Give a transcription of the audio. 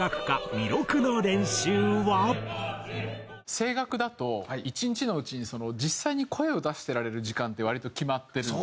声楽だと１日のうちに実際に声を出してられる時間って割と決まってるのと。